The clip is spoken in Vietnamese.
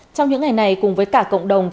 trong những ngày này cùng với cả cộng đồng